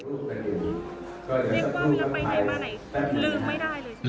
เรียกว่าเวลาไปไหนมาไหนลืมไม่ได้เลยใช่ไหม